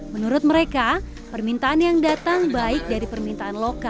menurut mereka permintaan yang datang baik dari permintaan lokal